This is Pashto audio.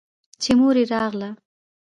چې مور يې راغله.